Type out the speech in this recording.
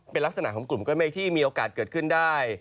เป็นลักษณะของกลุ่มก้อนเมฆที่มีโอกาสเกิดขึ้นได้